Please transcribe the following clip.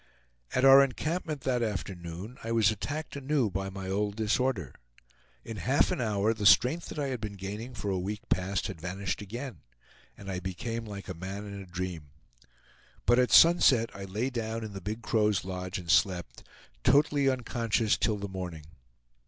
At our encampment that afternoon I was attacked anew by my old disorder. In half an hour the strength that I had been gaining for a week past had vanished again, and I became like a man in a dream. But at sunset I lay down in the Big Crow's lodge and slept, totally unconscious till the morning.